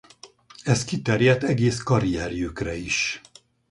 Ez kiterjedt egész karrierjükre is.